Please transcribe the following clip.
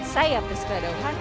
saya prisca dauhan